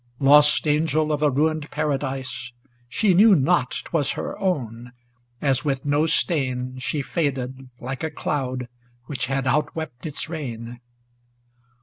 Lost Angel of a ruined Paradise ! She knew not 't was her own ; as with no stain She faded, like a cloud which had outwept its rain.